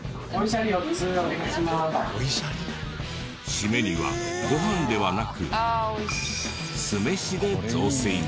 締めにはご飯ではなく酢飯で雑炊に。